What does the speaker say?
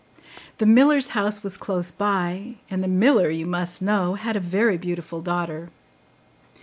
The miller's house was close by, and the miller, you must know, had a very beautiful daughter.